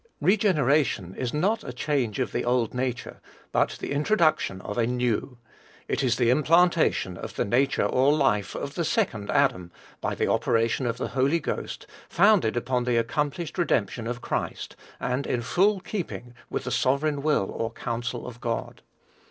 Regeneration is not a change of the old nature, but the introduction of a new: it is the implantation of the nature or life of the second Adam, by the operation of the Holy Ghost, founded upon the accomplished redemption of Christ, and in full keeping with the sovereign will or counsel of God.